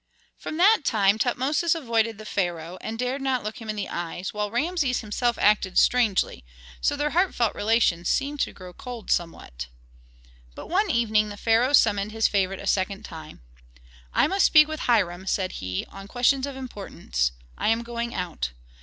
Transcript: From that time Tutmosis avoided the pharaoh, and dared not look him in the eyes, while Rameses himself acted strangely, so their heartfelt relations seemed to grow cold somewhat. But one evening the pharaoh summoned his favorite a second time. "I must speak with Hiram," said he, "on questions of importance. I am going out.